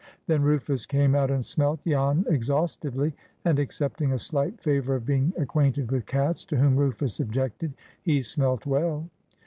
Then Rufus came out and smelt Jan exhaustively, and excepting a slight flavor of being acquainted with cats, to whom Rufus objected, he smelt well.